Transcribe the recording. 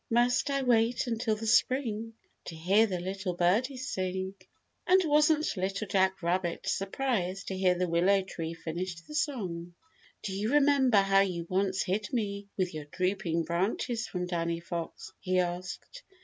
Must I wait until the Spring To hear the little birdies sing?'" And wasn't Little Jack Rabbit surprised to hear the Willow Tree finish the song. "Do you remember how you once hid me with your drooping branches from Danny Fox?" he asked.